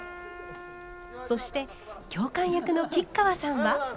そして教官役の吉川さんは。